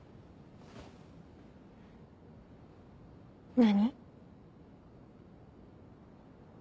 何？